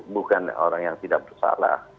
bukan orang yang tidak bersalah